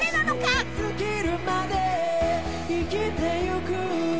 「燃え尽きるまで生きていく」